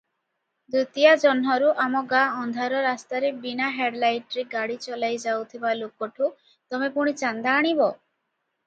ଦ୍ଵିତୀୟା ଜହ୍ନରୁ ଆମ ଗାଁ ଅନ୍ଧାର ରାସ୍ତାରେ ବିନା ହେଡଲାଇଟରେ ଗାଡ଼ି ଚଲାଇ ଯାଉଥିବା ଲୋକଠୁ ତମେ ପୁଣି ଚାନ୍ଦା ଆଣିବ?